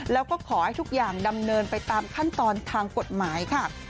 แล้วก็ขอให้ทุกอย่างดำเนินไปตามขั้นตอนทางกฎหมายค่ะ